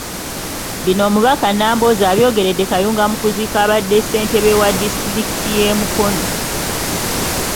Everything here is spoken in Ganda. Bino Omubaka Nambooze abyogeredde Kayunga mu kuziika abadde ssentebe wa disitulikiti y’e Mukono.